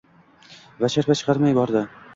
Va sharpa chiqarmay bordi